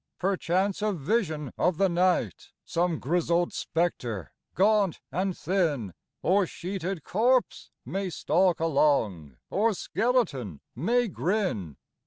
Perchance a vision of the night, Some grizzled spectre, gaunt and thin, Or sheeted corpse, may stalk along, Or skeleton may grin.